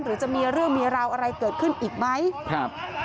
หรือจะมีเรื่องมีราวอะไรเกิดขึ้นอีกไหมครับ